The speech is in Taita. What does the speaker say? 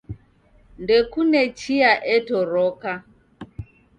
Ndekune chia etoroka.